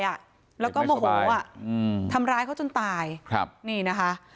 ลุกเลี้ยงแล้วก็โมโหทำร้ายเขาจนตายนี่นะคะ